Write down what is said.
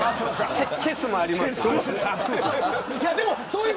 チェスもあります。